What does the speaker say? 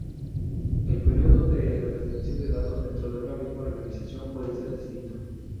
El periodo de retención de datos dentro de una misma organización puede ser distinto.